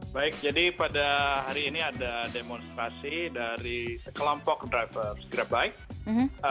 baik jadi pada hari ini ada demonstrasi dari kelompok driver grab bike